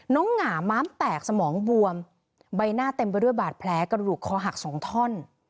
หงาม้ามแตกสมองบวมใบหน้าเต็มไปด้วยบาดแผลกระดูกคอหักสองท่อน